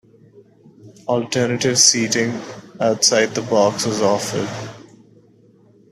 Alternative seating outside the box was offered.